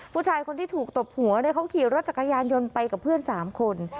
ผู้ชายคนที่ถูกตบหัวเขาขี่รถจักรยานยนต์ไปกับเพื่อน๓คน